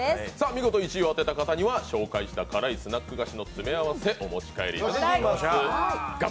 見事１位を当てた方には辛いスナック菓子の詰め合わせお持ち帰りいただきます。